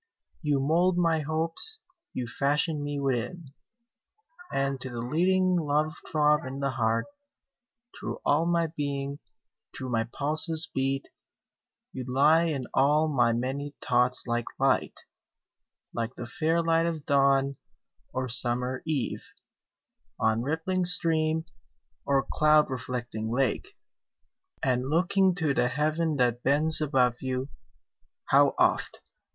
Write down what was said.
26 You mould my Hopes you fashion me within: And to the leading love throb in the heart, Through all my being, through my pulses beat; You lie in all my many thoughts like Light, Like the fair light of Dawn, or summer Eve, On rippling stream, or cloud reflecting lake; And looking to the Heaven that bends above you, How oft!